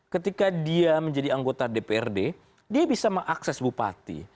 ketika dia menjadi anggota dprd dia bisa mengakses bupati